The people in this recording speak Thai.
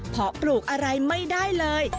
เพราะปลูกอะไรไม่ได้เลย